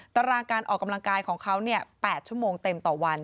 ตารางการออกกำลังกายของเขา๘ชั่วโมงเต็มต่อวัน